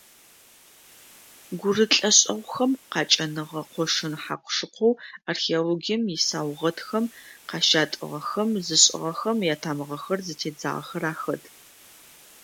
Гурыт лӏэшӏэгъухэм къакӏэныгъэ къошын хьакъу-шыкъоу археологием исаугъэтхэм къащатӏыгъэхэм зышӏыгъэхэм ятамыгъэхэр зытедзагъэхэр ахэт.